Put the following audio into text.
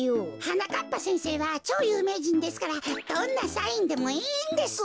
はなかっぱせんせいはちょうゆうめいじんですからどんなサインでもいいんです。